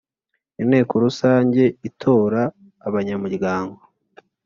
Inteko Rusange Itora Abanyamuryango